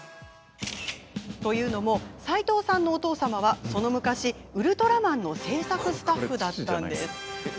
というのも斎藤さんのお父様は、その昔「ウルトラマン」の制作スタッフだったんです。